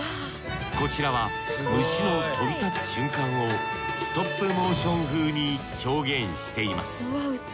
こちらは虫の飛び立つ瞬間をストップモーション風に表現しています